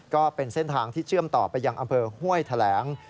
ก็เป็นเส้นทางที่เชื่อมต่อไปยังอำเภอห้วยแถลง